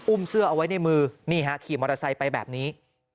อุ้มเสื้อเอาไว้ในมือขี่มอเตอร์ไซส์ไปแบบนี้